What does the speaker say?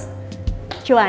aku mau ke rumah